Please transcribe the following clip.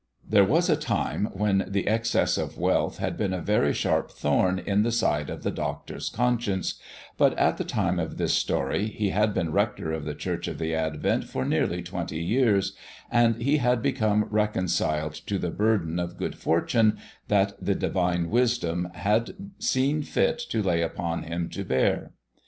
There was a time when the excess of wealth had been a very sharp thorn in the side of the doctor's conscience, but at the time of this story he had been rector of the Church of the Advent for nearly twenty years, and he had become reconciled to the burden of good fortune that the Divine Wisdom had seen fit to lay upon him to bear.